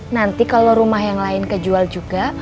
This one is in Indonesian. nanti kalau rumah yang lain kejual juga